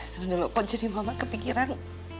cuma dulu kok jadi mama kepikiran